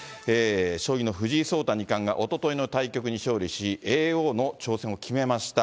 将棋の藤井聡太二冠がおとといの対局に勝利し、叡王の挑戦を決めました。